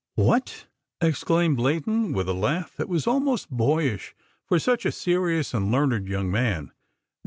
"What!" exclaimed Leighton, with a laugh that was almost boyish for such a serious and learned young man.